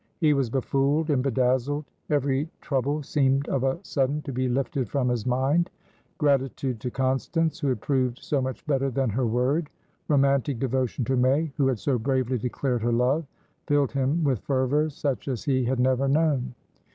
He was befooled and bedazzled. Every trouble seemed of a sudden to be lifted from his mind. Gratitude to Constance, who had proved so much better than her word, romantic devotion to May, who had so bravely declared her love, filled him with fervours such as he had never known.